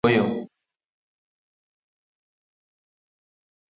nyawadgi manenitie e bathe ne rite mondo gi dhi nyime gi wuoyo